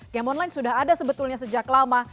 game online sudah ada sebetulnya sejak lama